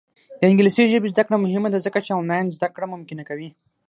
د انګلیسي ژبې زده کړه مهمه ده ځکه چې آنلاین زدکړه ممکنه کوي.